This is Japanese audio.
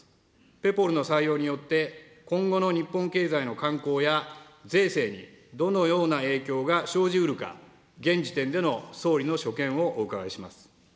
Ｐｅｐｐｏｌの採用によって今後の日本経済の慣行や税制に、どのような影響が生じうるか、現時点での総理の所見をお伺いします。